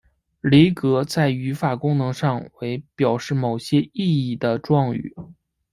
离格在语法功能上为表示某些意义的状语。